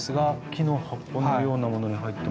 木の箱のようなものに入ってます。